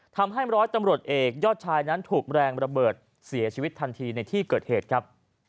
ทำให้ร้อยตำรวจเอกยอดชายนั้นถูกแรงระเบิดเสียชีวิตทันทีในที่เกิดเหตุครับ